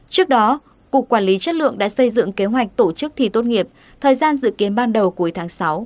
trước đó cục quản lý chất lượng đã xây dựng kế hoạch tổ chức thi tốt nghiệp thời gian dự kiến ban đầu cuối tháng sáu